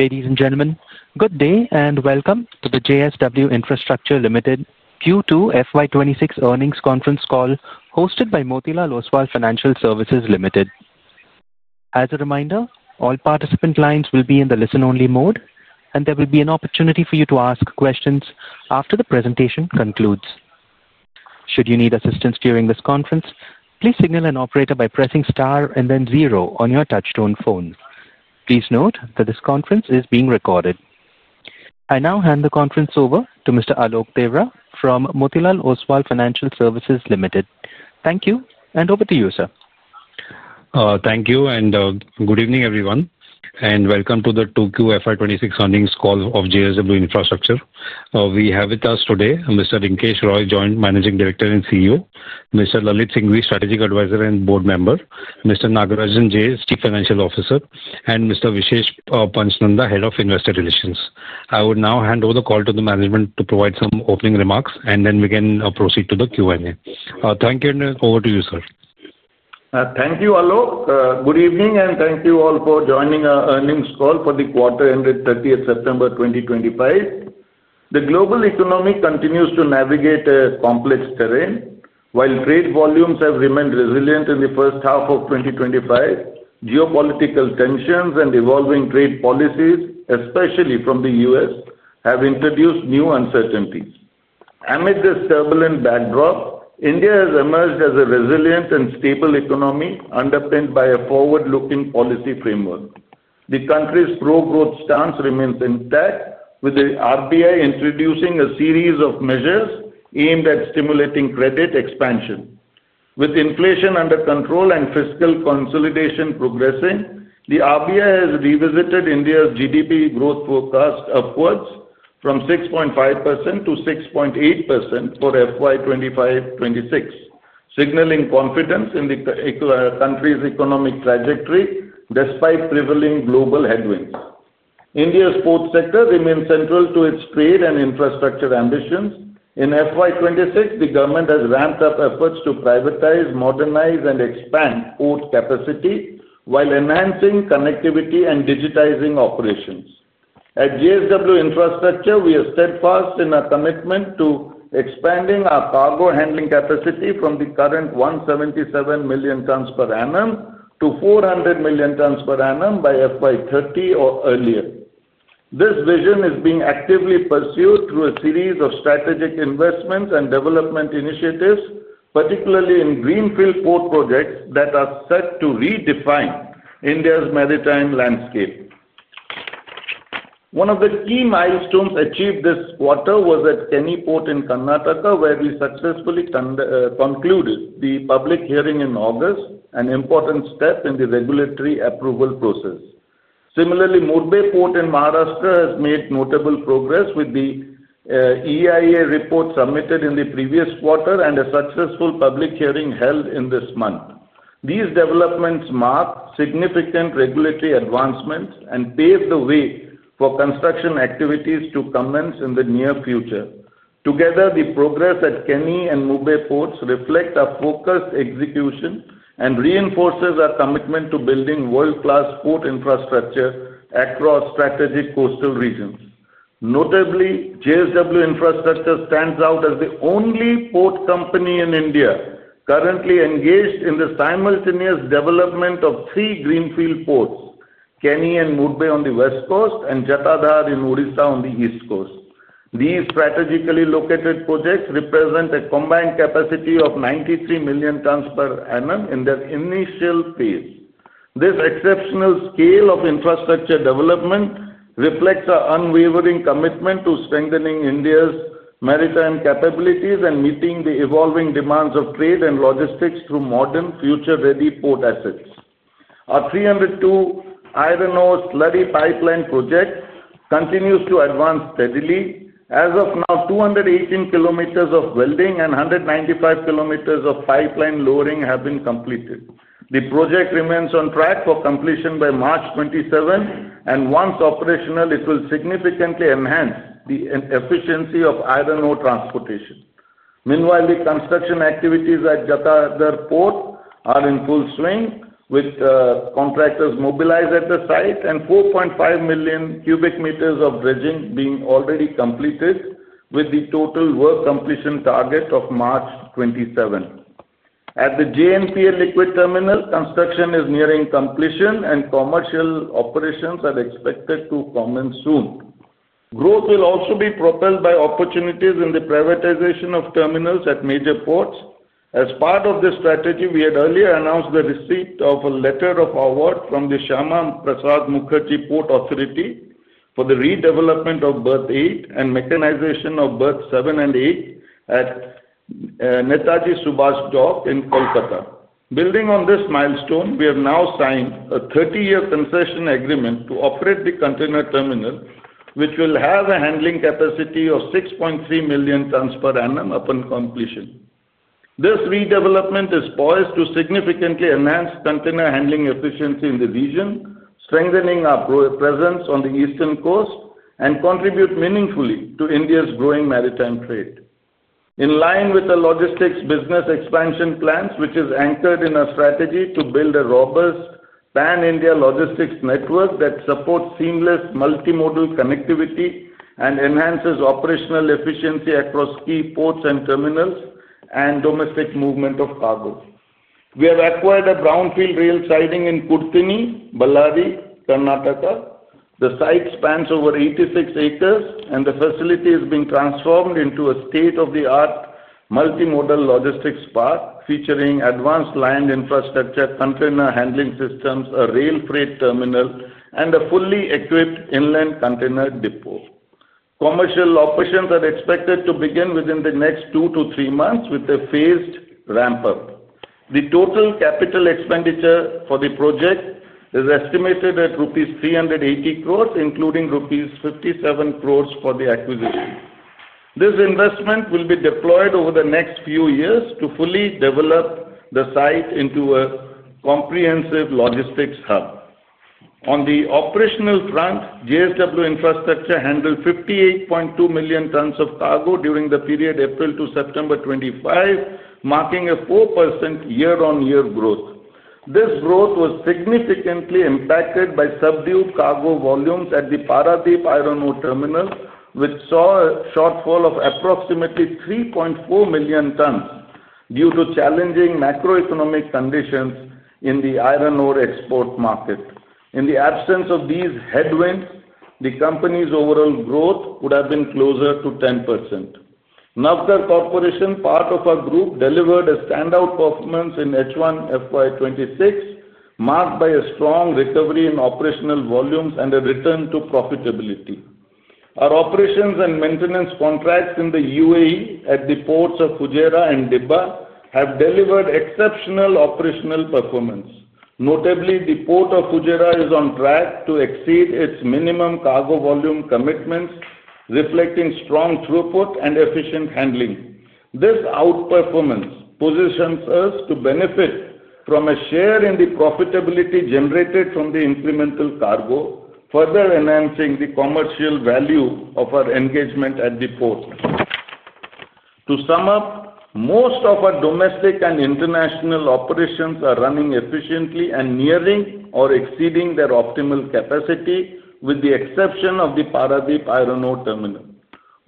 Ladies and gentlemen, good day and welcome to the JSW Infrastructure Limited Q2 FY 2026 earnings conference call hosted by Motilal Oswal Financial Services Limited. As a reminder, all participant lines will be in the listen-only mode, and there will be an opportunity for you to ask questions after the presentation concludes. Should you need assistance during this conference, please signal an operator by pressing star and then zero on your touch-tone phone. Please note that this conference is being recorded. I now hand the conference over to Mr. Alok Deora from Motilal Oswal Financial Services Limited. Thank you, and over to you, sir. Thank you, and good evening, everyone, and welcome to the Q2 FY 2026 earnings call of JSW Infrastructure. We have with us today Mr. Rinkesh Roy, Joint Managing Director and CEO, Mr. Lalit Singhvi, Strategic Advisor and Board Member, Mr. Nagarajan Jay, Chief Financial Officer, and Mr. Vishesh Pachnanda, Head of Investor Relations. I will now hand over the call to the management to provide some opening remarks, and then we can proceed to the Q&A. Thank you, and over to you, sir. Thank you, Alok. Good evening, and thank you all for joining our earnings call for the quarter ended 30th September 2025. The global economy continues to navigate a complex terrain. While trade volumes have remained resilient in the first half of 2025, geopolitical tensions and evolving trade policies, especially from the U.S., have introduced new uncertainties. Amid this turbulent backdrop, India has emerged as a resilient and stable economy, underpinned by a forward-looking policy framework. The country's pro-growth stance remains intact, with the RBI introducing a series of measures aimed at stimulating credit expansion. With inflation under control and fiscal consolidation progressing, the RBI has revisited India's GDP growth forecast upwards from 6.5%-6.8% for FY 2025-2026, signaling confidence in the country's economic trajectory despite prevailing global headwinds. India's port sector remains central to its trade and infrastructure ambitions. In FY 2026, the government has ramped up efforts to privatize, modernize, and expand port capacity while enhancing connectivity and digitizing operations. At JSW Infrastructure, we are steadfast in our commitment to expanding our cargo handling capacity from the current 177 million tons per annum to 400 million tons per annum by FY 2030 or earlier. This vision is being actively pursued through a series of strategic investments and development initiatives, particularly in greenfield port projects that are set to redefine India's maritime landscape. One of the key milestones achieved this quarter was at Keni Port in Karnataka, where we successfully concluded the public hearing in August, an important step in the regulatory approval process. Similarly, Murbe Port in Maharashtra has made notable progress with the EIA report submitted in the previous quarter and a successful public hearing held in this month. These developments mark significant regulatory advancements and pave the way for construction activities to commence in the near future. Together, the progress at Keni and Murbe ports reflects our focused execution and reinforces our commitment to building world-class port infrastructure across strategic coastal regions. Notably, JSW Infrastructure stands out as the only port company in India currently engaged in the simultaneous development of three greenfield ports: Keni and Murbe on the West Coast and Jatadhar in Orissa on the East Coast. These strategically located projects represent a combined capacity of 93 million tons per annum in their initial phase. This exceptional scale of infrastructure development reflects our unwavering commitment to strengthening India's maritime capabilities and meeting the evolving demands of trade and logistics through modern, future-ready port assets. Our 302-Km iron ore slurry pipeline project continues to advance steadily. As of now, 218 Km of welding and 195 Km of pipeline lowering have been completed. The project remains on track for completion by March 2027, and once operational, it will significantly enhance the efficiency of iron ore transportation. Meanwhile, the construction activities at Jatadhar Port are in full swing, with contractors mobilized at the site and 4.5 million cubic meters of bridging already completed, with the total work completion target of March 2027. At the JNPL liquid terminal, construction is nearing completion, and commercial operations are expected to commence soon. Growth will also be propelled by opportunities in the privatization of terminals at major ports. As part of this strategy, we had earlier announced the receipt of a letter of award from the Shyama Prasad Mukherjee Port Authority for the redevelopment of berth 8 and mechanization of berth seven and eight at Netaji Subhas Dock in Kolkata. Building on this milestone, we have now signed a 30-year concession agreement to operate the container terminal, which will have a handling capacity of 6.3 million tons per annum upon completion. This redevelopment is poised to significantly enhance container handling efficiency in the region, strengthening our presence on the East Coast, and contribute meaningfully to India's growing maritime trade. In line with the logistics business expansion plans, which is anchored in our strategy to build a robust pan-India logistics network that supports seamless multimodal connectivity and enhances operational efficiency across key ports and terminals and domestic movement of cargo, we have acquired a brownfield rail siding in Kudathini, Ballari, Karnataka. The site spans over 86 acres, and the facility is being transformed into a state-of-the-art multimodal logistics park, featuring advanced land infrastructure, container handling systems, a rail freight terminal, and a fully equipped inland container depot. Commercial operations are expected to begin within the next two to three months, with a phased ramp-up. The total capital expenditure for the project is estimated at rupees 380 crore, including rupees 57 crore for the acquisition. This investment will be deployed over the next few years to fully develop the site into a comprehensive logistics hub. On the operational front, JSW Infrastructure handled 58.2 million tons of cargo during the period April to September 2025, marking a 4% year-on-year growth. This growth was significantly impacted by subdued cargo volumes at the Paradip Iron Ore Terminal, which saw a shortfall of approximately 3.4 million tons due to challenging macroeconomic conditions in the iron ore export market. In the absence of these headwinds, the company's overall growth would have been closer to 10%. Navkar Corporation, part of our group, delivered a standout performance in H1 FY 2026, marked by a strong recovery in operational volumes and a return to profitability. Our operations and maintenance contracts in the UAE at the ports of Fujairah and Dibba have delivered exceptional operational performance. Notably, the port of Fujairah is on track to exceed its minimum cargo volume commitments, reflecting strong throughput and efficient handling. This outperformance positions us to benefit from a share in the profitability generated from the incremental cargo, further enhancing the commercial value of our engagement at the port. To sum up, most of our domestic and international operations are running efficiently and nearing or exceeding their optimal capacity, with the exception of the Paradip Iron Ore Terminal.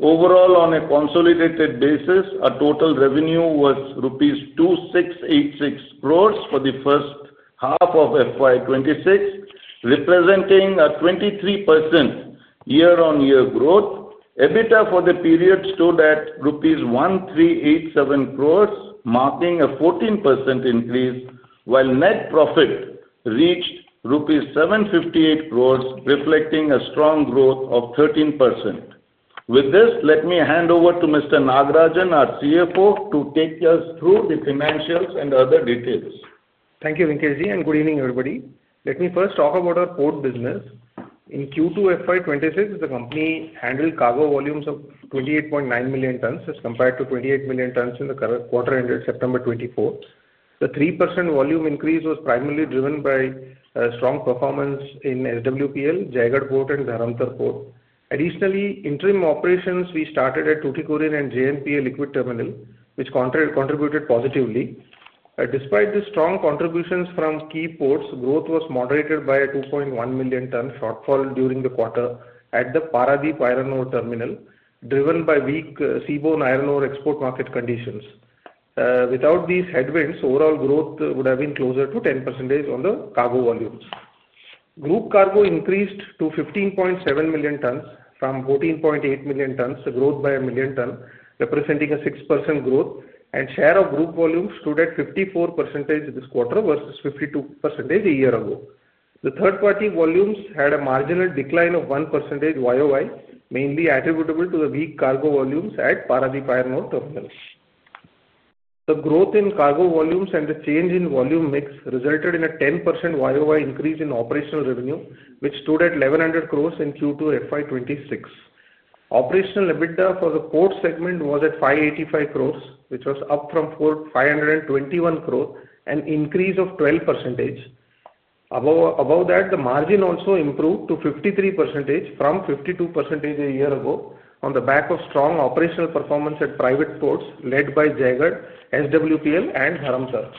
Overall, on a consolidated basis, our total revenue was rupees 2,686 crore for the first half of FY 2026, representing a 23% year-on-year growth. EBITDA for the period stood at rupees 1,387 crore, marking a 14% increase, while net profit reached rupees 758 crore, reflecting a strong growth of 13%. With this, let me hand over to Mr. Nagarajan, our CFO, to take us through the financials and other details. Thank you, Rinkesh Ji, and good evening, everybody. Let me first talk about our port business. In Q2 FY 2026, the company handled cargo volumes of 28.9 million tons, as compared to 28 million tons in the quarter ended September 2024. The 3% volume increase was primarily driven by strong performance in SWPL, Jaigarh Port, and Dharamtar Port. Additionally, interim operations were started at Tuticorin and JNPT liquid terminal, which contributed positively. Despite the strong contributions from key ports, growth was moderated by a 2.1 million ton shortfall during the quarter at the Paradip Iron Ore Terminal, driven by weak seaboard iron ore export market conditions. Without these headwinds, overall growth would have been closer to 10% on the cargo volumes. Group cargo increased to 15.7 million tons from 14.8 million tons, a growth by a million ton, representing a 6% growth, and share of group volumes stood at 54% this quarter versus 52% a year ago. The third-party volumes had a marginal decline YoY, mainly attributable to the weak cargo volumes at Paradip Iron Ore Terminal. The growth in cargo volumes and the change in volume mix resulted in YoY increase in operational revenue, which stood at 1,100 crores in Q2 FY 2026. Operational EBITDA for the port segment was at 585 crores, which was up from 421 crores, an increase of 12%. Above that, the margin also improved to 53% from 52% a year ago on the back of strong operational performance at private ports led by Jaigarh, SWPL, and Dharamtar.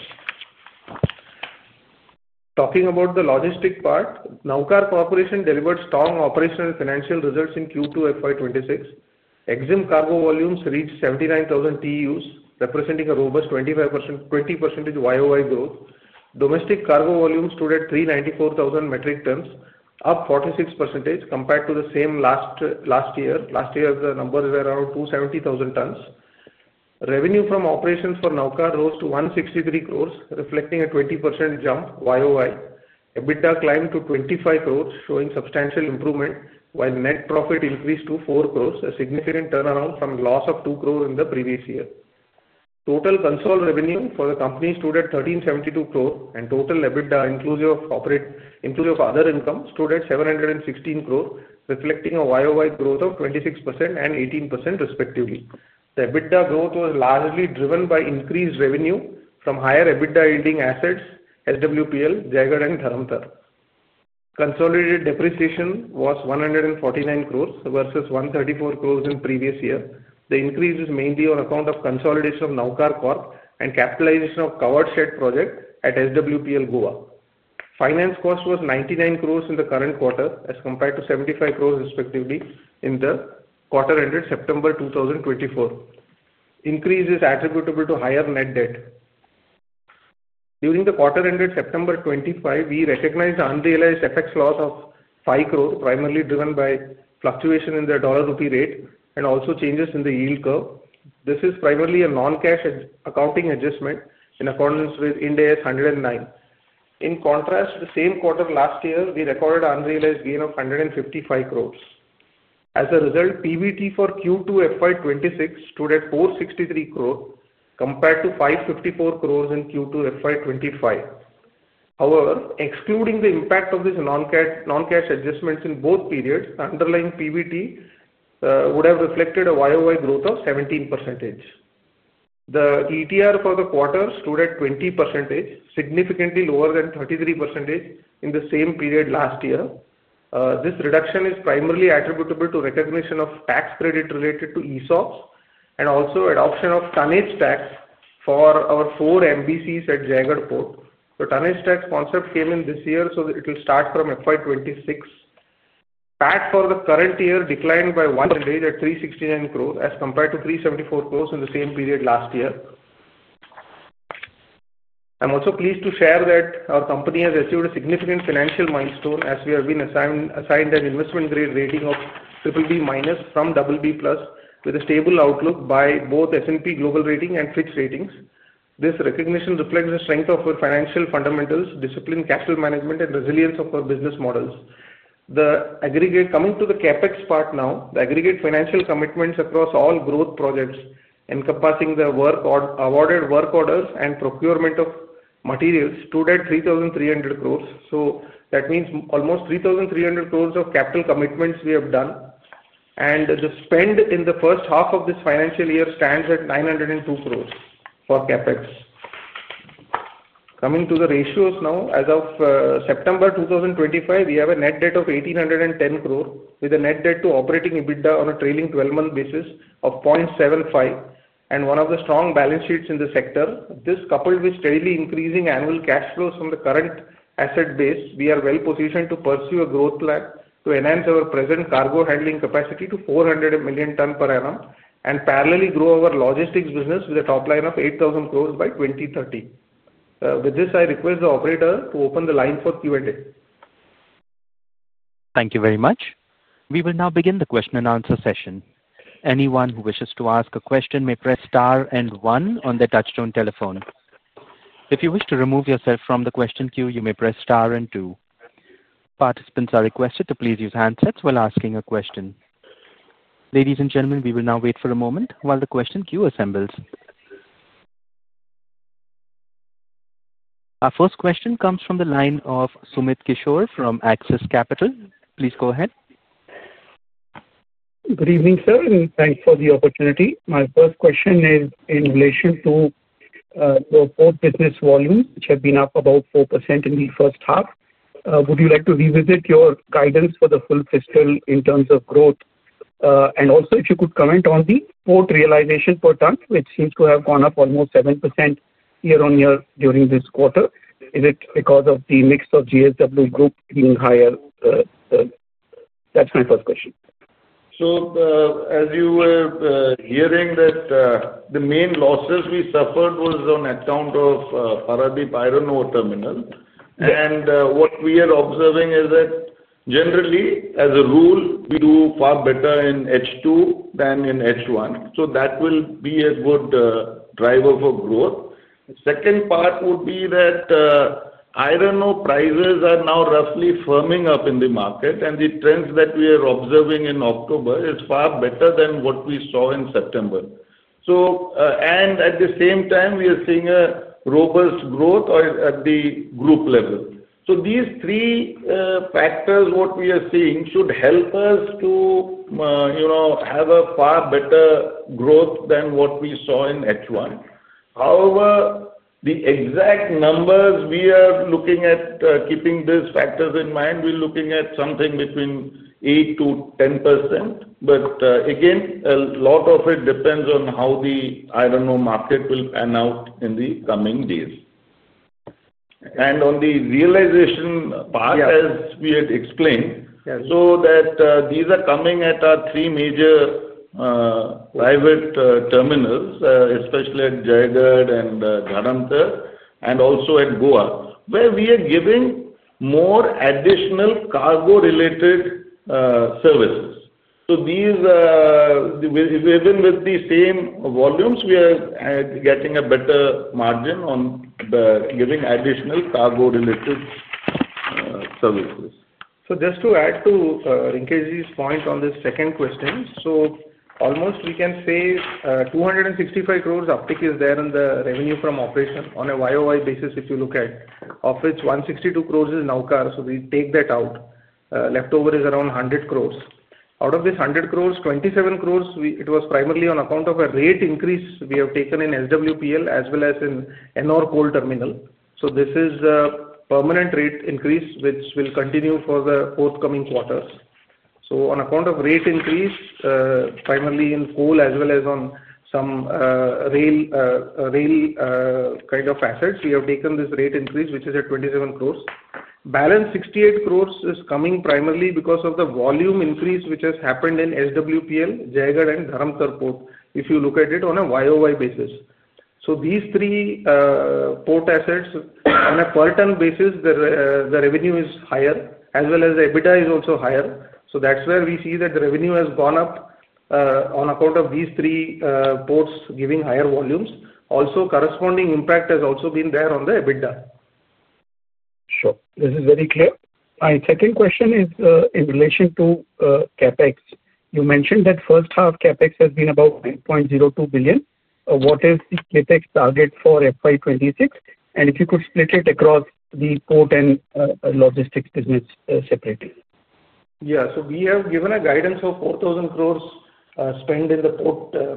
Talking about the logistics part, Navkar Corporation delivered strong operational financial results in Q2 FY 2026. Exim cargo volumes reached 79,000 TEUs, representing a YoY growth. Domestic cargo volumes stood at 394,000 metric tons, up 46% compared to the same last year. Last year, the numbers were around 270,000 tons. Revenue from operations for Navkar rose to 163 crores, reflecting a YoY. EBITDA climbed to 25 crores, showing substantial improvement, while net profit increased to 4 crores, a significant turnaround from a loss of 2 crores in the previous year. Total consolidation revenue for the company stood at 1,372 crores, and total EBITDA inclusive of other income stood at 716 crores, YoY growth of 26% and 18% respectively. The EBITDA growth was largely driven by increased revenue from higher EBITDA-yielding assets, SWPL, Jaigarh, and Dharamtar. Consolidated depreciation was 149 crores versus 134 crores in the previous year. The increase is mainly on account of consolidation of Navkar Corporation and capitalization of Coal Covered Shed Project at SWPL Goa. Finance cost was 99 crore in the current quarter, as compared to 75 crore in the quarter ended September 2024. The increase is attributable to higher net debt. During the quarter ended September 2025, we recognized the unrealized FX loss of 5 crore, primarily driven by fluctuation in the dollar-rupee rate and also changes in the yield curve. This is primarily a non-cash accounting adjustment in accordance with IND AS 109. In contrast, the same quarter last year, we recorded an unrealized gain of 155 crore. As a result, PBT for Q2 FY 2026 stood at 463 crore compared to 554 crore in Q2 FY 2025. However, excluding the impact of these non-cash adjustments in both periods, the underlying PBT would have reflected a YoY growth of 17%. The ETR for the quarter stood at 20%, significantly lower than 33% in the same period last year. This reduction is primarily attributable to recognition of tax credit related to ESOPs and also adoption of tonnage tax for our four MVCs at Jaigarh Port. The tonnage tax concept came in this year, so it will start from FY 2026. PAT for the current year declined to 369 crore as compared to 374 crore in the same period last year. I'm also pleased to share that our company has achieved a significant financial milestone as we have been assigned an investment grade rating of BBB- from BBB+, with a stable outlook by both S&P Global Ratings and Fitch Ratings. This recognition reflects the strength of our financial fundamentals, discipline, capital management, and resilience of our business models. Coming to the CapEx part now, the aggregate financial commitments across all growth projects encompassing the awarded work orders and procurement of materials stood at 3,300 crore. That means almost 3,300 crore of capital commitments we have done, and the spend in the first half of this financial year stands at 902 crore for CapEx. Coming to the ratios now, as of September 2025, we have a net debt of 1,810 crore with a net debt to operating EBITDA on a trailing 12-month basis of 0.75. With one of the strong balance sheets in the sector, this, coupled with steadily increasing annual cash flows from the current asset base, we are well positioned to pursue a growth plan to enhance our present cargo handling capacity to 400 million tons per annum and parallelly grow our logistics business with a top line of 8,000 crores by 2030. With this, I request the operator to open the line for Q&A. Thank you very much. We will now begin the question-and-answer session. Anyone who wishes to ask a question may press star and one on their touch-tone telephone. If you wish to remove yourself from the question queue, you may press star and two. Participants are requested to please use handsets while asking a question. Ladies and gentlemen, we will now wait for a moment while the question queue assembles. Our first question comes from the line of Sumit Kishore from Axis Capital. Please go ahead. Good evening, sir, and thanks for the opportunity. My first question is in relation to your port business volumes, which have been up about 4% in the first half. Would you like to revisit your guidance for the full fiscal in terms of growth? Also, if you could comment on the port realization per ton, which seems to have gone up almost 7% year-on-year during this quarter, is it because of the mix of JSW group being higher? That's my first question. As you were hearing, the main losses we suffered were on account of Paradip Iron Ore Terminal. What we are observing is that generally, as a rule, we do far better in H2 than in H1. That will be a good driver for growth. The second part would be that iron ore prices are now roughly firming up in the market, and the trends that we are observing in October are far better than what we saw in September. At the same time, we are seeing a robust growth at the group level. These three factors, what we are seeing, should help us to have a far better growth than what we saw in H1. However, the exact numbers we are looking at, keeping these factors in mind, we're looking at something between 8%-10%. Again, a lot of it depends on how the iron ore market will pan out in the coming days. On the realization part, as we had explained, these are coming at our three major private terminals, especially at Jayagadh and Dharamtar, and also at Goa, where we are giving more additional cargo-related services. If we have been with the same volumes, we are getting a better margin on giving additional cargo-related services. Just to add to Rinkesh Ji's point on the second question, we can say 265 crore uptake is there in the revenue from operation on a YoY basis. If you look at it, of which 162 crore is Navkar, so we take that out, leftover is around 100 crore. Out of this 100 crore, 27 crore was primarily on account of a rate increase we have taken in SWPL as well as in Ennore Coal Terminal. This is a permanent rate increase, which will continue for the forthcoming quarters. On account of rate increase, primarily in coal as well as on some rail kind of assets, we have taken this rate increase, which is at 27 crore. The balance 68 crore is coming primarily because of the volume increase, which has happened in SWPL, Jaigarh, and Dharamtar Port, if you look at it on a YoY basis. These three port assets, on a per-ton basis, the revenue is higher, as well as the EBITDA is also higher. That's where we see that the revenue has gone up on account of these three ports giving higher volumes. Also, corresponding impact has also been there on the EBITDA. Sure. This is very clear. My second question is in relation to CapEx. You mentioned that first half CapEx has been about 9.02 billion. What is the CapEx target for FY 2026? If you could split it across the port and logistics business separately. Yeah, we have given a guidance of 4,000 crore spent in the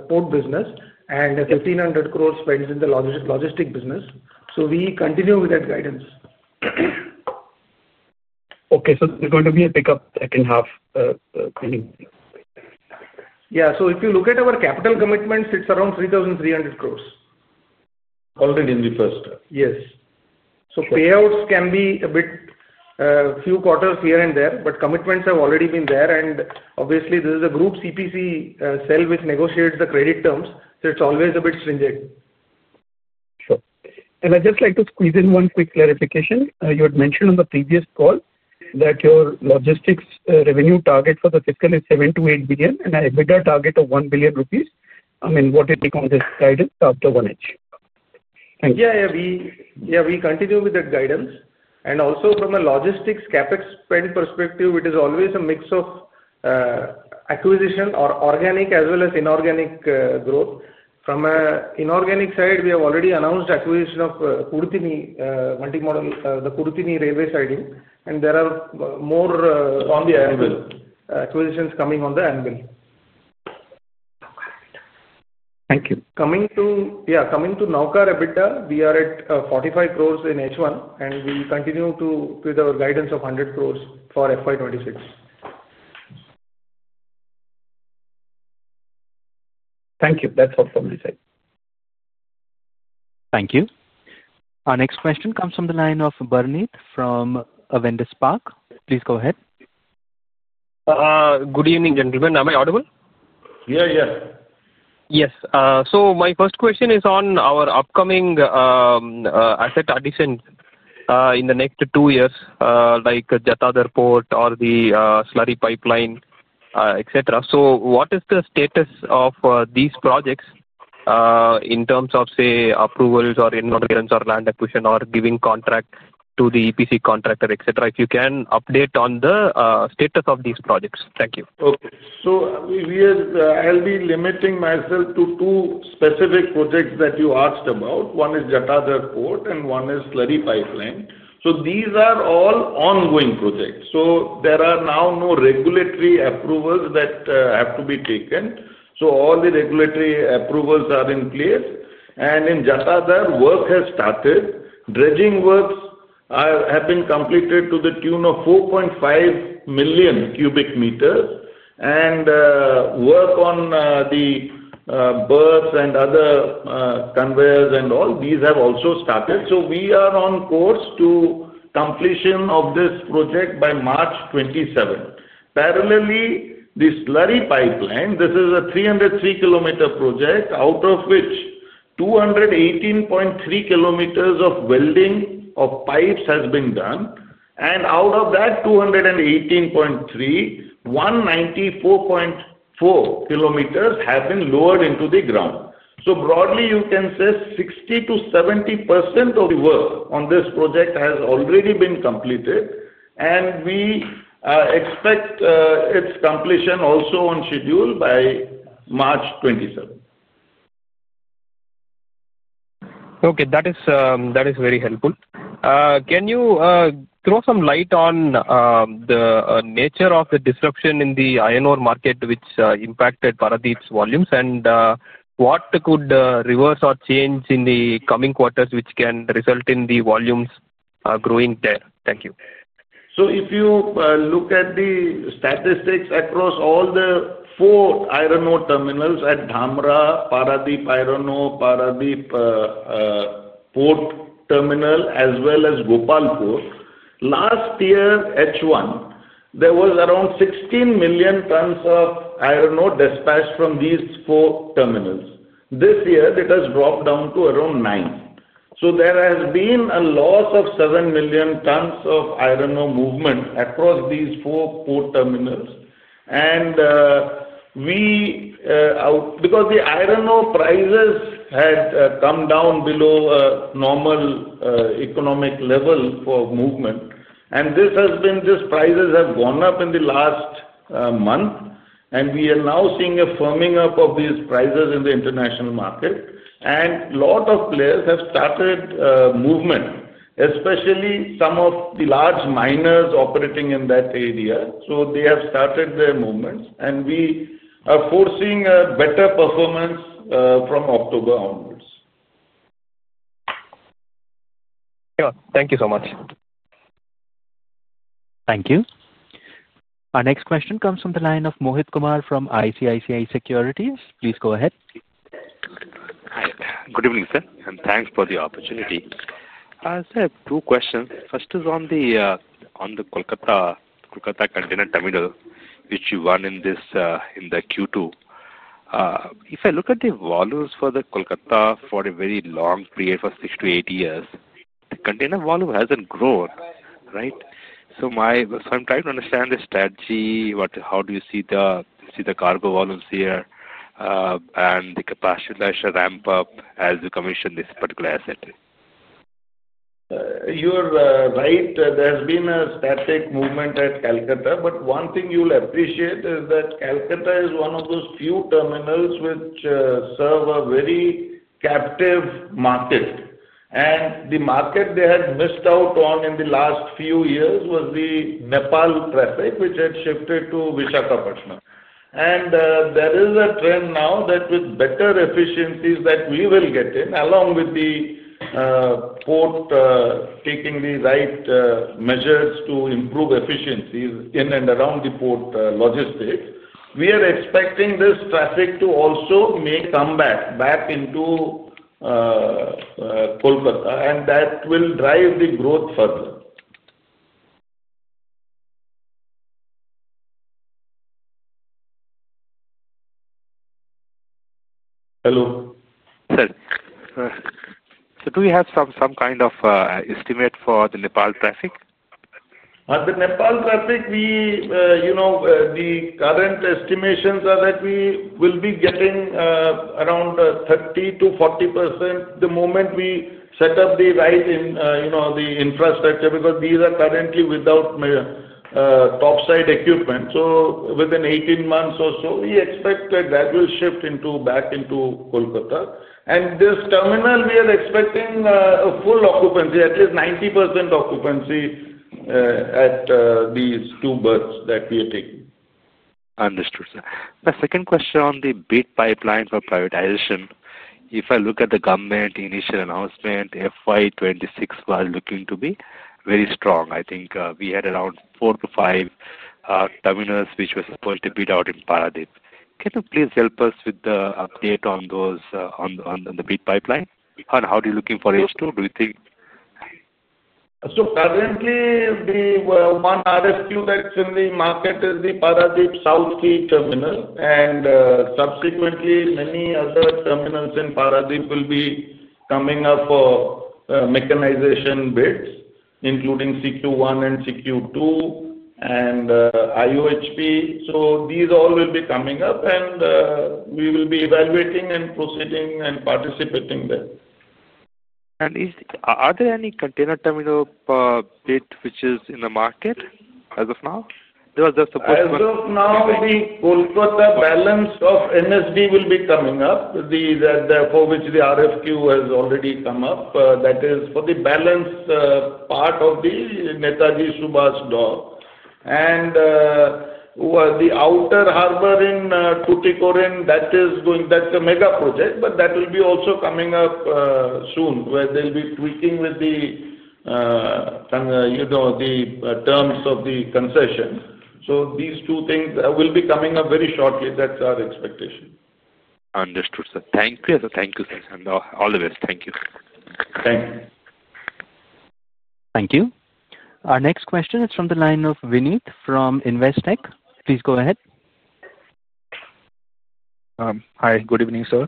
port business and 1,500 crore spent in the logistics business. We continue with that guidance. Okay, so there's going to be a pickup second half? Yeah, if you look at our capital commitments, it's around 3,300 crore. Already in the first? Yes. Payouts can be a bit, a few quarters here and there, but commitments have already been there. Obviously, this is a group CPC cell which negotiates the credit terms, so it's always a bit stringent. Sure. I'd just like to squeeze in one quick clarification. You had mentioned on the previous call that your logistics revenue target for the fiscal is 7 billion-8 billion and an EBITDA target of 1 billion rupees. What did you call this guidance after 1H? Thank you. Yeah, we continue with that guidance. Also, from a logistics CapEx spend perspective, it is always a mix of acquisition or organic as well as inorganic growth. From an inorganic side, we have already announced acquisition of Kudathini multimodal, the Kudathini railway siding, and there are more acquisitions coming on the annual. Thank you. Coming to Navkar EBITDA, we are at 45 crore in H1, and we continue with our guidance of 100 crore for FY 2026. Thank you. That's all from my side. Thank you. Our next question comes from the line of Bharanidhar from Avendus Spark. Please go ahead. Good evening, gentlemen. Am I audible? Yeah, yeah. Yes. My first question is on our upcoming asset addition in the next two years, like Jatadhar Port or the slurry pipeline, etc. What is the status of these projects in terms of, say, approvals or income clearance or land acquisition or giving contract to the EPC contractor, etc.? If you can update on the status of these projects. Thank you. Okay. I'll be limiting myself to two specific projects that you asked about. One is Jatadhar Port and one is the slurry pipeline. These are all ongoing projects. There are now no regulatory approvals that have to be taken. All the regulatory approvals are in place. In Jatadhar, work has started. Dredging works have been completed to the tune of 4.5 million cubic meters, and work on the berths and other conveyors and all these have also started. We are on course to completion of this project by March 2027. Parallelly, the slurry pipeline is a 303-Km project, out of which 218.3 Km of welding of pipes has been done. Out of that 218.3 Km, 194.4 Km have been lowered into the ground. Broadly, you can say 60%-70% of work on this project has already been completed. We expect its completion also on schedule by March 2027. Okay, that is very helpful. Can you throw some light on the nature of the disruption in the iron ore market, which impacted Paradip's volumes? What could reverse or change in the coming quarters which can result in the volumes growing there? Thank you. If you look at the statistics across all the four iron ore terminals at Dhamra, Paradip Iron Ore, Paradip Port Terminal, as well as Gopal Port, last year, H1, there were around 16 million tons of iron ore dispatched from these four terminals. This year, it has dropped down to around nine. There has been a loss of 7 million tons of iron ore movement across these four port terminals because the iron ore prices had come down below a normal economic level for movement. These prices have gone up in the last month. We are now seeing a firming up of these prices in the international market. A lot of players have started movement, especially some of the large miners operating in that area. They have started their movements. We are foreseeing a better performance from October onwards. Thank you so much. Thank you. Our next question comes from the line of Mohit Kumar from ICICI Securities. Please go ahead. Good evening, sir, and thanks for the opportunity. Sir, I have two questions. First is on the Kolkata container terminal, which you won in this in the Q2. If I look at the volumes for the Kolkata for a very long period of six to eight years, the container volume hasn't grown, right? I'm trying to understand the strategy. How do you see the cargo volumes here and the capacity to ramp up as you commission this particular asset? You're right. There's been a static movement at Kolkata. One thing you'll appreciate is that Kolkata is one of those few terminals which serve a very captive market. The market they had missed out on in the last few years was the Nepal traffic, which had shifted to Vishakhapatnam. There is a trend now that with better efficiencies that we will get in, along with the port taking the right measures to improve efficiencies in and around the port logistics, we are expecting this traffic to also come back into Kolkata. That will drive the growth further. Hello. Sir, do we have some kind of estimate for the Nepal traffic? The Nepal traffic, the current estimations are that we will be getting around 30%-40% the moment we set up the right infrastructure, because these are currently without topside equipment. Within 18 months or so, we expect a gradual shift back into Kolkata. This terminal, we are expecting a full occupancy, at least 90% occupancy at these two berths that we are taking. Understood, sir. My second question on the BIT pipeline for prioritization. If I look at the government initial announcement, FY 2026 was looking to be very strong. I think we had around four to five terminals which were supposed to be out in Paradip. Can you please help us with the update on those, on the BIT pipeline? How are you looking for H2? Do you think? Currently, the one RSQ that's in the market is the Paradip South Sea Terminal. Subsequently, many other terminals in Paradip will be coming up for mechanization bids, including CQ1, CQ2, and IOHP. These all will be coming up, and we will be evaluating, proceeding, and participating there. Are there any container terminal bids which are in the market as of now? There was just a question. As of now, the Kolkata balance of NSB will be coming up, for which the RFQ has already come up. That is for the balance part of the Netaji Subhas Dock. The outer harbor in Tuticorin, that is going, that's a mega project, but that will be also coming up soon where they'll be tweaking with the terms of the concession. These two things will be coming up very shortly. That's our expectation. Understood, sir. Thank you. Thank you, sir, and all the best. Thank you. Thank you. Thank you. Our next question is from the line of Vinit from Investec. Please go ahead. Hi. Good evening, sir.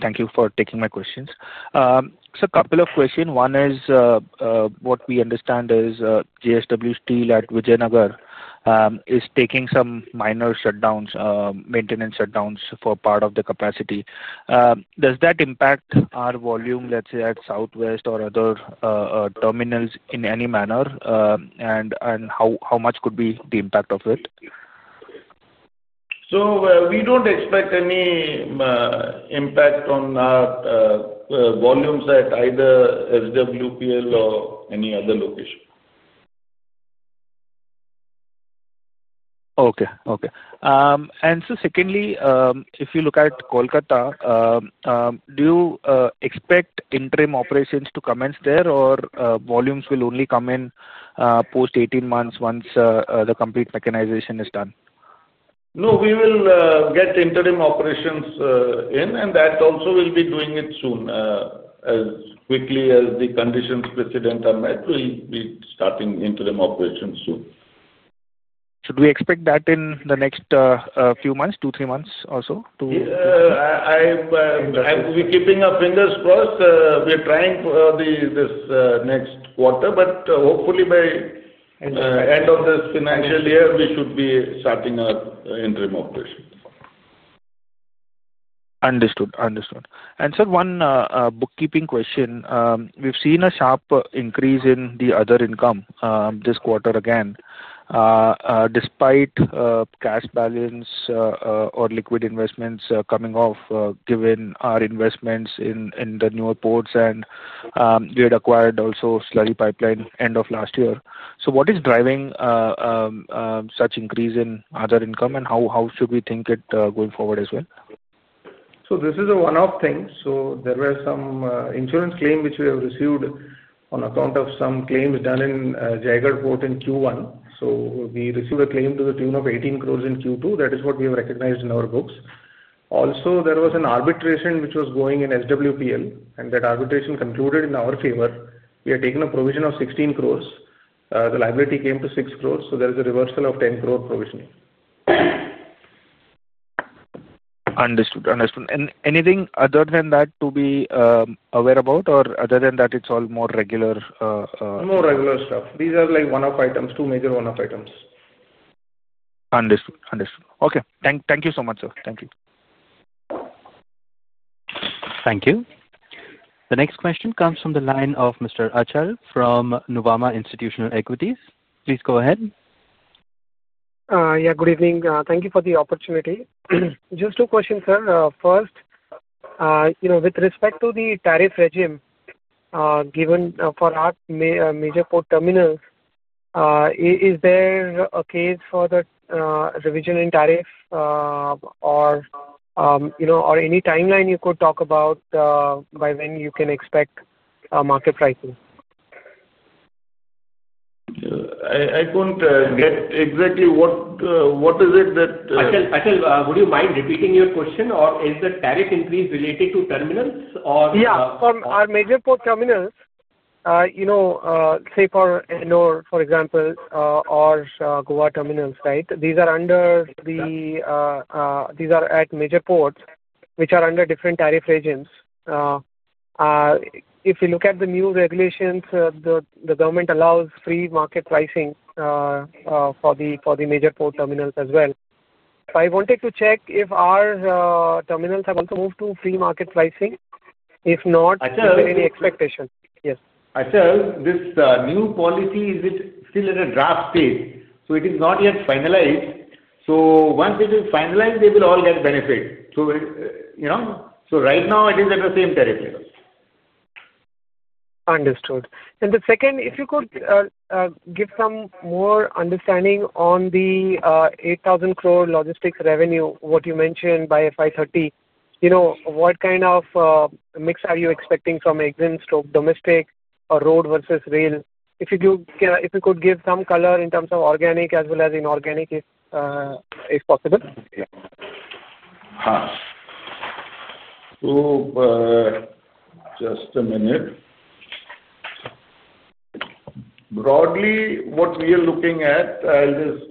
Thank you for taking my questions. A couple of questions. One is what we understand is JSW Steel at Vijayanagar is taking some minor shutdowns, maintenance shutdowns for part of the capacity. Does that impact our volume, let's say, at Southwest or other terminals in any manner? How much could be the impact of it? We don't expect any impact on our volumes at either SWPL or any other location. Okay. Okay. If you look at Kolkata, do you expect interim operations to commence there, or volumes will only come in post 18 months once the complete mechanization is done? We will get interim operations in, and that also will be doing it soon. As quickly as the conditions precedent are met, we'll be starting interim operations soon. Should we expect that in the next few months, two, three months or so? Yes, we're keeping our fingers crossed. We're trying for this next quarter, but hopefully, by the end of this financial year, we should be starting our interim operations. Understood. Sir, one bookkeeping question. We've seen a sharp increase in the other income this quarter again, despite cash balance or liquid investments coming off, given our investments in the newer ports, and we had acquired also slurry pipeline end of last year. What is driving such increase in other income, and how should we think it going forward as well? This is a one-off thing. There were some insurance claims which we have received on account of some claims done in Jaigarh Port in Q1. We received a claim to the tune of 18 crore in Q2. That is what we have recognized in our books. Also, there was an arbitration which was going in SWPL, and that arbitration concluded in our favor. We had taken a provision of 16 crore. The liability came to 6 crore, so there is a reversal of 10 crore provision. Understood. Anything other than that to be aware about, or other than that, it's all more regular? More regular stuff. These are like one-off items, two major one-off items. Understood. Understood. Okay. Thank you so much, sir. Thank you. Thank you. The next question comes from the line of Mr. Achal from Nuvama Institutional Equities. Please go ahead. Yeah, good evening. Thank you for the opportunity. Just two questions, sir. First, with respect to the tariff regime given for our major port terminals, is there a case for the revision in tariff, or any timeline you could talk about by when you can expect market pricing? I couldn't get exactly what it is that. Achal, would you mind repeating your question, or is the tariff increase related to terminals? Our major port terminals, for example, or Goa terminals, these are at major ports, which are under different tariff regimes. If you look at the new regulations, the government allows free market pricing for the major port terminals as well. I wanted to check if our terminals have also moved to free market pricing. If not, is there any expectation? Yes. Achal, this new policy is still in a draft phase. It is not yet finalized. Once it is finalized, they will all get benefits. Right now, it is at the same tariff level. Understood. The second, if you could give some more understanding on the 8,000 crore logistics revenue, what you mentioned by FY 2030, what kind of mix are you expecting from Exim/domestic or road versus rail? If you could give some color in terms of organic as well as inorganic, if possible. Just a minute. Broadly, what we are looking at is,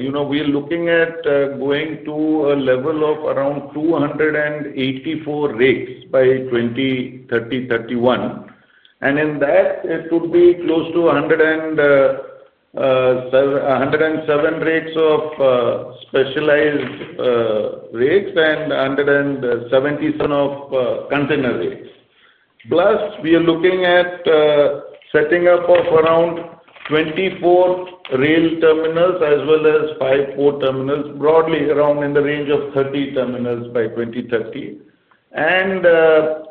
you know, we are looking at going to a level of around 284 rigs by 2030-2031. In that, it would be close to 107 rigs of specialized rigs and 170 some of container rigs. Plus, we are looking at setting up around 24 rail terminals as well as five port terminals, broadly around in the range of 30 terminals by 2030, and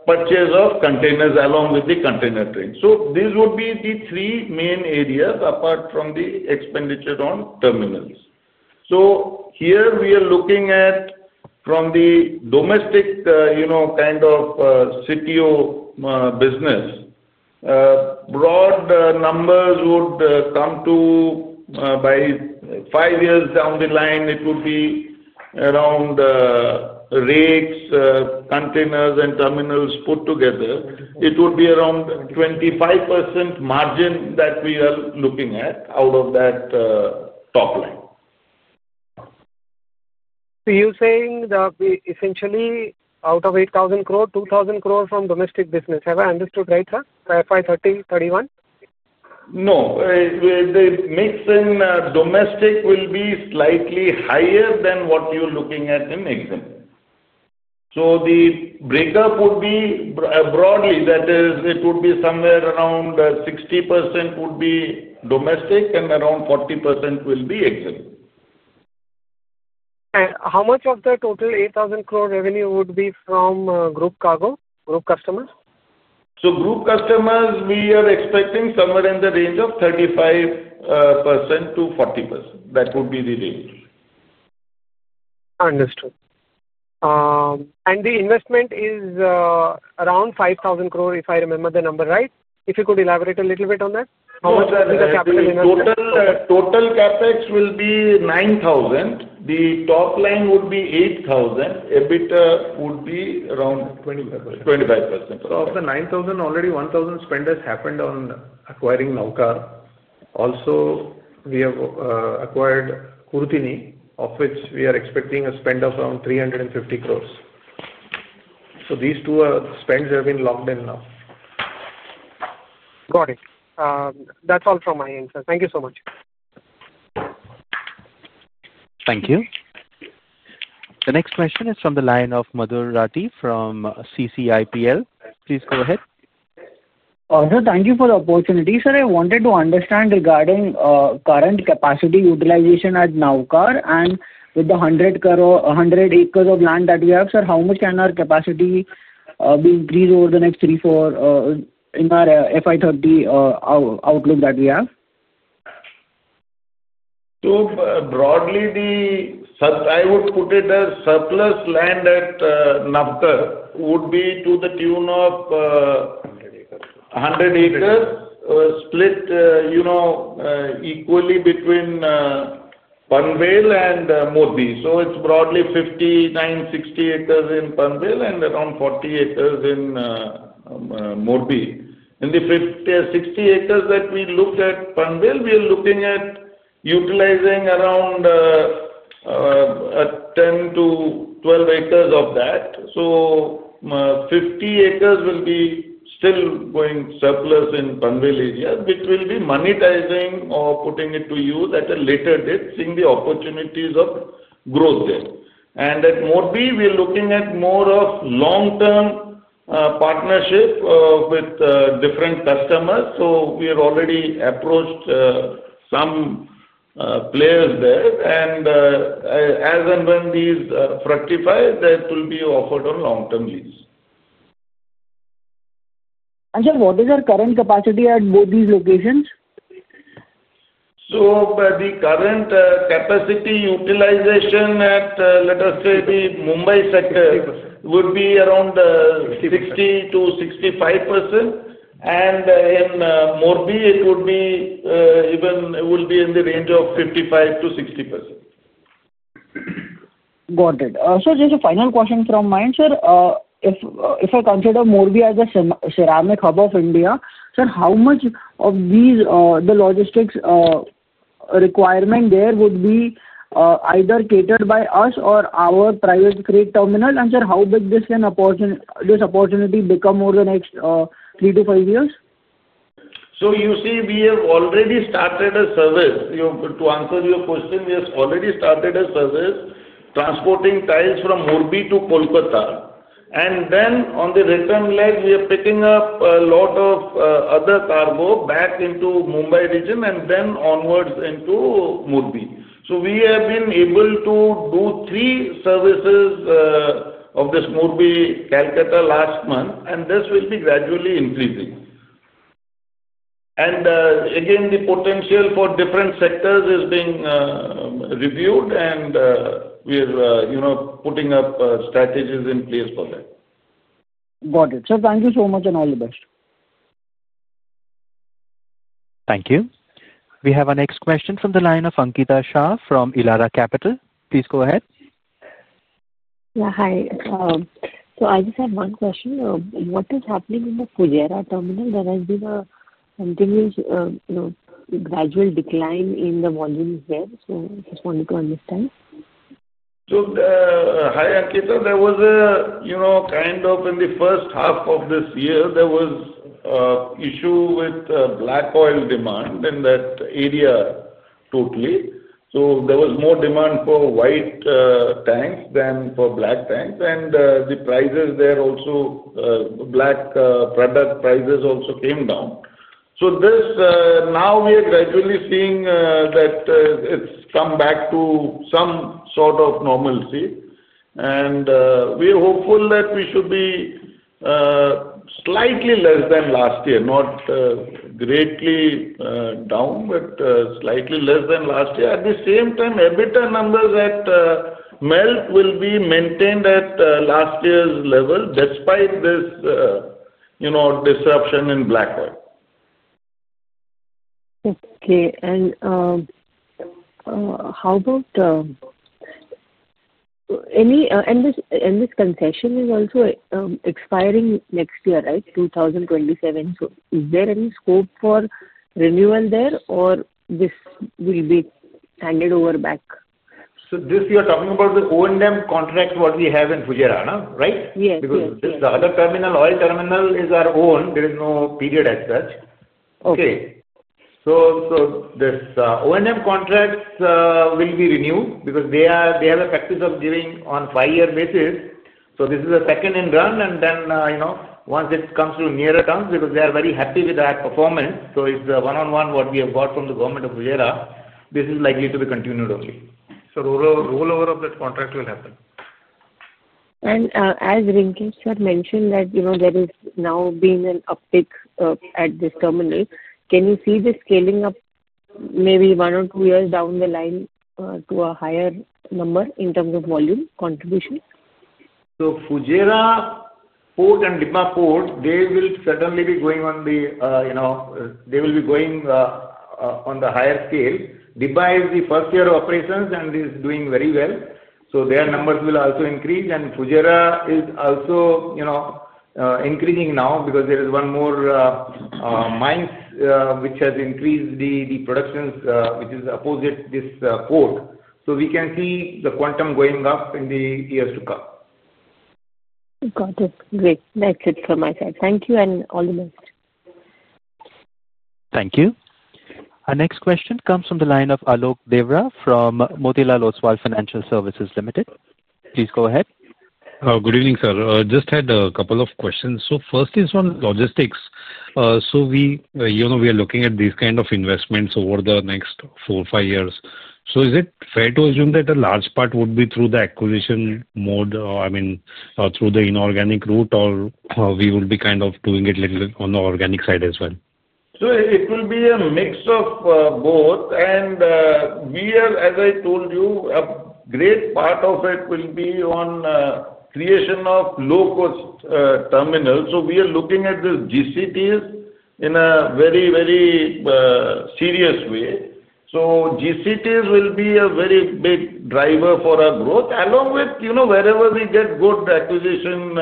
purchase of containers along with the container train. These would be the three main areas apart from the expenditure on terminals. Here we are looking at, from the domestic, you know, kind of CTO business. Broad numbers would come to, by five years down the line, it would be around rigs, containers, and terminals put together. It would be around 25% margin that we are looking at out of that top line. You're saying that we essentially, out of 8,000 crore, 2,000 crore from domestic business. Have I understood right, sir, FY 2030-2031? No. The mix in domestic will be slightly higher than what you're looking at in Exim. The breakup would be broadly, that is, it would be somewhere around 60% would be domestic and around 40% will be Exim. How much of the total 8,000 crore revenue would be from group cargo, group customers? Group customers, we are expecting somewhere in the range of 35%-40%. That would be the range. Understood. The investment is around 5,000 crore, if I remember the number right. If you could elaborate a little bit on that, how much will be the capital investment? Total CapEx will be 9,000 million. The top line would be 8,000 million. EBITDA would be around 25%. the 9,000 crore, already 1,000 crore spend has happened on acquiring Navkar Corporation. Also, we have acquired the Kudathini multimodal logistics park, of which we are expecting a spend of around 350 crore. These two spends have been locked in now. Got it. That's all from my end, sir. Thank you so much. Thank you. The next question is from the line of Madhur Rathi from CCIPL. Please go ahead. Thank you for the opportunity, sir. I wanted to understand regarding current capacity utilization at Navkar Corporation. With the 100 acres of land that we have, sir, how much can our capacity be increased over the next three, four years in our FY 2030 outlook that we have? Broadly, I would put it as surplus land at Navkar would be to the tune of 100 acres split equally between Panvel and Morbi. It's broadly 59-60 acres in Panvel and around 40 acres in Morbi. In the 60 acres that we looked at Panvel, we are looking at utilizing around 10-12 acres of that. Fifty acres will still be going surplus in the Panvel area, which we will be monetizing or putting to use at a later date, seeing the opportunities of growth there. At Morbi, we are looking at more of a long-term partnership with different customers. We have already approached some players there. As and when these fructify, that will be offered on long-term lease. What is our current capacity at both these locations? The current capacity utilization at, let us say, the Mumbai sector would be around 60%-65%. In Morbi, it would be in the range of 55%-60%. Got it. Also, just a final question from my end, sir. If I consider Morbi as a ceramic hub of India, sir, how much of these logistics requirements there would be either catered by us or our private container terminal? Sir, how big does this opportunity become over the next three to five years? We have already started a service. To answer your question, we have already started a service transporting tiles from Morbi to Kolkata. On the return leg, we are picking up a lot of other cargo back into the Mumbai region and then onwards into Morbi. We have been able to do three services of this Morbi-Kolkata last month, and this will be gradually increasing. The potential for different sectors is being reviewed, and we are putting up strategies in place for that. Got it. Sir, thank you so much and all the best. Thank you. We have our next question from the line of Ankita Shah from Elara Capital. Please go ahead. Yeah, hi. I just had one question. What is happening in the Fujairah terminal? There has been a continuous gradual decline in the volumes there. I just wanted to understand. Hi, Ankita. In the first half of this year, there was an issue with black oil demand in that area totally. There was more demand for white tanks than for black tanks, and the prices there also, black product prices also came down. Now we are gradually seeing that it's come back to some sort of normalcy. We are hopeful that we should be slightly less than last year, not greatly down, but slightly less than last year. At the same time, EBITDA numbers at MELT will be maintained at last year's level despite this disruption in black oil. Okay. How about any, and this concession is also expiring next year, right, 2027? Is there any scope for renewal there, or this will be handed over back? You're talking about the operations and maintenance contracts we have in Fujairah, right? Yes. Because the other terminal, oil terminal, is our own. There is no period as such. These operations and maintenance contracts will be renewed because they have a practice of giving on a five-year basis. This is a second run, and once it comes to nearer terms, because they are very happy with that performance, it's the one-on-one what we have got from the government of Fujairah. This is likely to be continued only. Rollover of that contract will happen. As Rinkesh mentioned, there has now been an uptake at this terminal. Can you see the scaling up maybe one or two years down the line to a higher number in terms of volume contribution? Fujairah Port and Dibba Port will certainly be going on the higher scale. Dibba is the first year of operations and is doing very well. Their numbers will also increase. Fujairah is also increasing now because there is one more mine which has increased the production, which is opposed to this port. We can see the quantum going up in the years to come. Got it. Great. That's it from my side. Thank you and all the best. Thank you. Our next question comes from the line of Alok Deora from Motilal Oswal Financial Services Limited. Please go ahead. Good evening, sir. I just had a couple of questions. First is on logistics. We are looking at these kind of investments over the next four or five years. Is it fair to assume that a large part would be through the acquisition mode, I mean, through the inorganic route, or we would be kind of doing it a little bit on the organic side as well? It will be a mix of both. As I told you, a great part of it will be on the creation of low-cost terminals. We are looking at these GCTs in a very, very serious way. GCTs will be a very big driver for our growth, along with, you know, wherever we get good acquisition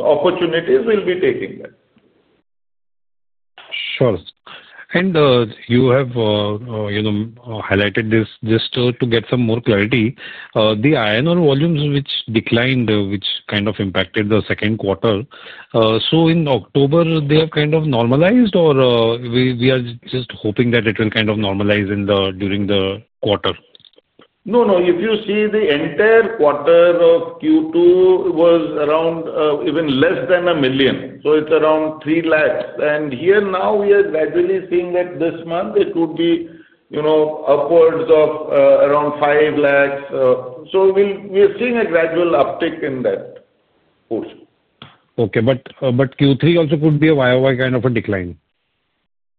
opportunities, we'll be taking that. Sure. You have highlighted this just to get some more clarity. The iron ore volumes, which declined, which kind of impacted the second quarter, in October, they have kind of normalized, or we are just hoping that it will kind of normalize during the quarter? No, no. If you see the entire quarter of Q2, it was around even less than a million. It's around 3 lakh. Here now, we are gradually seeing that this month it would be upwards of around 5 lakh. We are seeing a gradual uptick in that portion. Okay. Q3 also could be a YoY kind of a decline?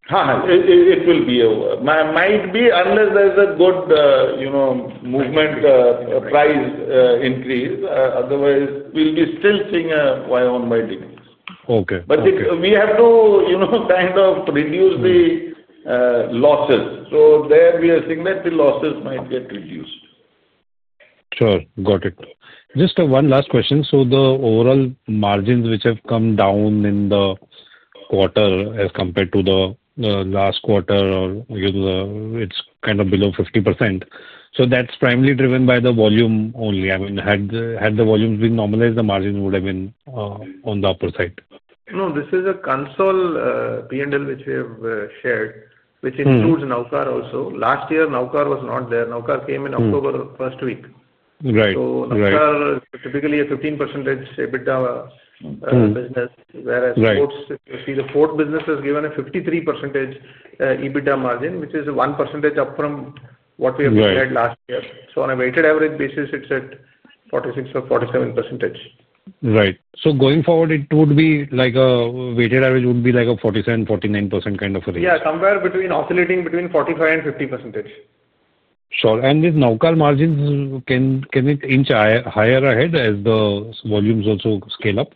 It might be unless there's a good, you know, movement, a price increase. Otherwise, we'll be still seeing a YoY decrease. We have to, you know, kind of reduce the losses. There we are seeing that the losses might get reduced. Got it. Just one last question. The overall margins which have come down in the quarter as compared to the last quarter, you know, it's kind of below 50%. That's primarily driven by the volume only. I mean, had the volumes been normalized, the margin would have been on the upper side. No, this is a console P&L which we have shared, which includes Navkar Corporation also. Last year, Navkar Corporation was not there. Navkar Corporation came in October first week. Navkar Corporation is typically a 15% EBITDA business, whereas Ports, if you see the Port business has given a 53% EBITDA margin, which is a 1% up from what we have compared last year. On a weighted average basis, it's at 46% or 47%. Right. Going forward, it would be like a weighted average would be like a 47%-49% kind of a range? Yeah, somewhere oscillating between 45% and 50%. Sure. With Navkar margins, can it inch higher ahead as the volumes also scale up?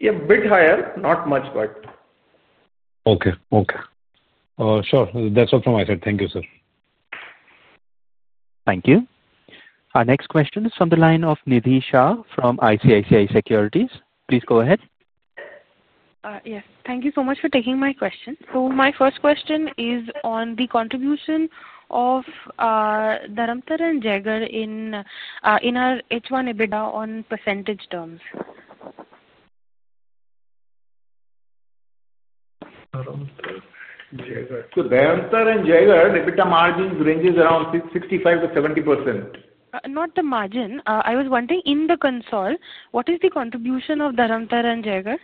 Yeah, a bit higher, not much. Okay. Okay. Sure. That's all from my side. Thank you, sir. Thank you. Our next question is from the line of Nidhi Shah from ICICI Securities. Please go ahead. Yes. Thank you so much for taking my question. My first question is on the contribution of Dharamtar and Jayagadh in our H1 EBITDA on percentage terms. Dharamtar and Jaigarh, EBITDA margins range around 65%-70%. Not the margin. I was wondering, in the console, what is the contribution of Dharamtar and Jayagadh?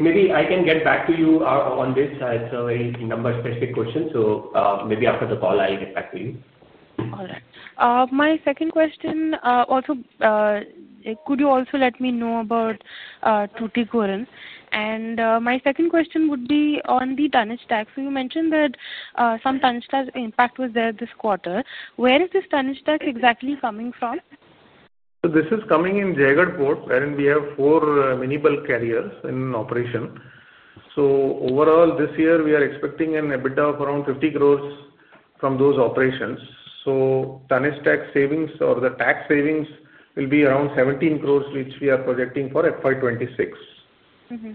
Maybe I can get back to you on this. It's a very number-specific question. Maybe after the call, I'll get back to you. All right. My second question, could you also let me know about Tuticorin? My second question would be on the tonnage tax. You mentioned that some tonnage tax impact was there this quarter. Where is this tonnage tax exactly coming from? This is coming in Jayagadh Port, wherein we have four mini bulk carriers in operation. Overall, this year, we are expecting an EBITDA of around 50 crore from those operations. Tonnage tax savings or the tax savings will be around 17 crore, which we are projecting for FY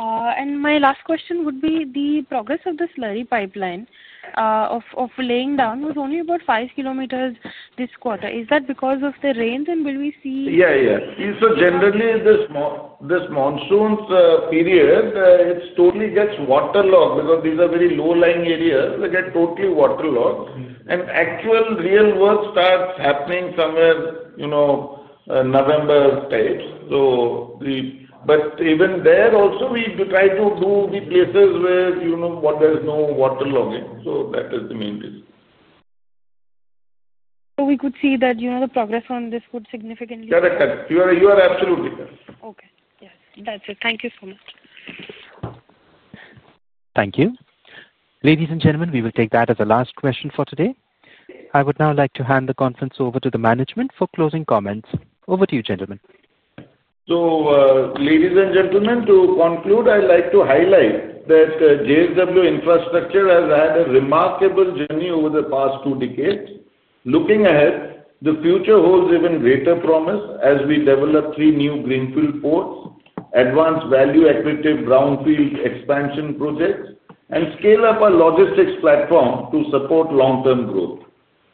2026. My last question would be the progress of the slurry pipeline of laying down was only about 5 Km this quarter. Is that because of the rains, and will we see? Yeah, yeah. Generally, this monsoon period totally gets waterlogged because these are very low-lying areas. They get totally waterlogged, and actual real work starts happening somewhere, you know, November types. Even there also, we try to do the places where, you know, there's no waterlogging. That is the main reason. We could see that, you know, the progress on this would significantly. Correct. Correct. You are absolutely correct. Okay. Yes, that's it. Thank you so much. Thank you. Ladies and gentlemen, we will take that as a last question for today. I would now like to hand the conference over to the management for closing comments. Over to you, gentlemen. Ladies and gentlemen, to conclude, I'd like to highlight that JSW Infrastructure has had a remarkable journey over the past two decades. Looking ahead, the future holds even greater promise as we develop three new greenfield ports, advance value equity brownfield expansion projects, and scale up our logistics platform to support long-term growth.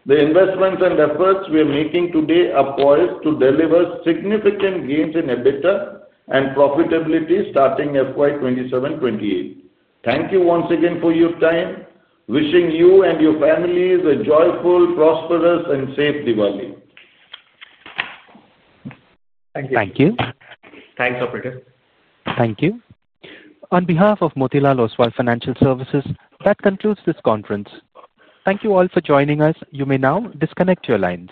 The investments and efforts we are making today are poised to deliver significant gains in EBITDA and profitability starting FY 2027-2028. Thank you once again for your time. Wishing you and your families a joyful, prosperous, and safe Diwali. Thank you. Thanks, operator. Thank you. On behalf of Motilal Oswal Financial Services, that concludes this conference. Thank you all for joining us. You may now disconnect your lines.